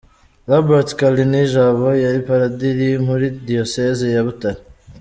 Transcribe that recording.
Lambert Kalinijabo yari padiri muri diyoseze ya Butare.